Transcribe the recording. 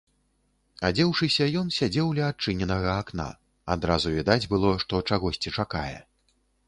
Адзеўшыся, ён сядзеў ля адчыненага акна, адразу відаць было, што чагосьці чакае.